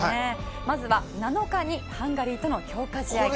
まずは７日にハンガリーとの強化試合が行われます。